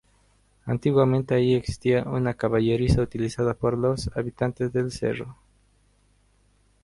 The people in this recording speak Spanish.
Antiguamente allí existía una caballeriza utilizada por los habitantes del cerro.